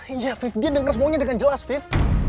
iya afif dia denger semuanya dengan jelas afif